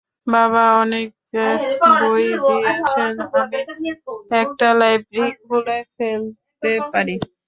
বাবা অনেক বই দিয়েছেন, আমি একটা লাইব্রেরি খুলে ফেলতে পারি।